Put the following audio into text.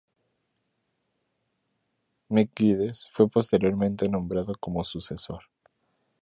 Mick Geddes fue posteriormente nombrado como su sucesor.